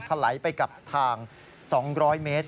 ถลายไปกับทาง๒๐๐เมตร